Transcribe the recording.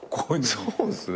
そうですね。